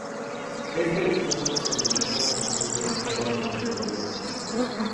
Este escrito se publicó en Madrid en forma de folleto.